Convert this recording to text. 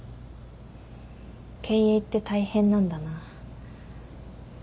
経営って大変なんだなとか。